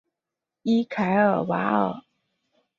伊凯尔瓦尔。